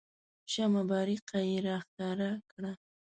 شمه بارقه یې راښکاره کړه.